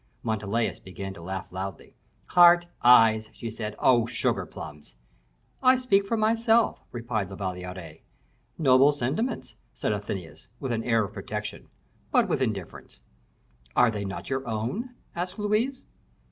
Montalais began to laugh loudly. "Heart, eyes," she said; "oh, sugar plums!" "I speak for myself;" replied La Valliere. "Noble sentiments," said Athenais, with an air of protection, but with indifference. "Are they not your own?" asked Louise.